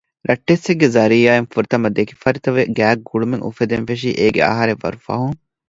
ރައްޓެއްސެއްގެ ޒަރީޢާއިން ފުރަތަމަ ދެކިފަރިތަވެ ގާތް ގުޅުމެއް އުފެދެން ފެށީ އޭގެ އަހަރެއް ވަރު ފަހުން